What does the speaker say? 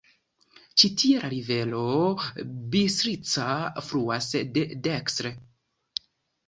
Ĉi tie la rivero Bistrica fluas de dekstre.